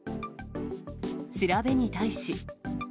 調べに対し。